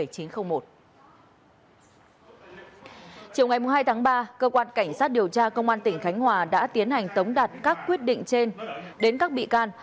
chiều ngày hai tháng ba cơ quan cảnh sát điều tra công an tỉnh khánh hòa đã tiến hành tống đạt các quyết định trên đến các bị can